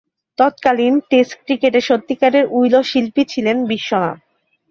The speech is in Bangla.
তৎকালীন টেস্ট ক্রিকেটে সত্যিকারের উইলো শিল্পী ছিলেন বিশ্বনাথ।